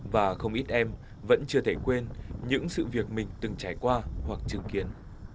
và không ít em vẫn chưa thể quên những sự việc mình từng trải qua hoặc chứng kiến